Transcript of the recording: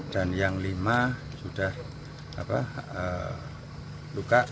dan yang lima sudah luka